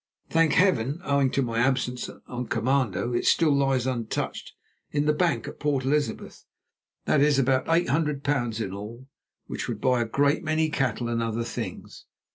Thank Heaven! owing to my absence on commando, it still lies untouched in the bank at Port Elizabeth. That is about eight hundred pounds in all, which would buy a great many cattle and other things.